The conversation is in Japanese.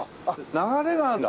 流れがあるんだ。